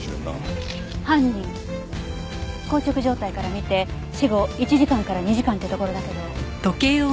硬直状態から見て死後１時間から２時間ってところだけど。